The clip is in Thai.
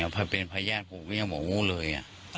เป็นพยานผมก็ยังบอกว่าฮู้เลยอ่ะ